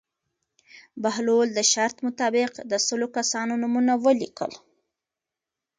بهلول د شرط مطابق د سلو کسانو نومونه ولیکل.